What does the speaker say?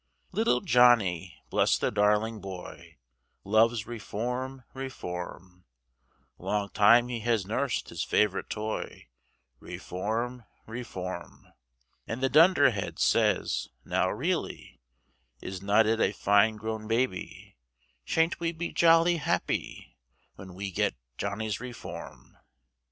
Little Johnny, bless the darling boy, Love's Reform, Reform, Long time he has nursed his favourite toy, Reform, Reform; And the dunderheads says, now really, Is not it a fine grown baby, Shan't we be jolly happy, When we get Johnny's Reform.